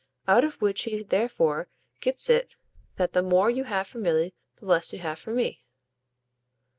Out of which she therefore gets it that the more you have for Milly the less you have for me."